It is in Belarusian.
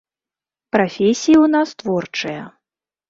Прафесіі ў нас творчыя.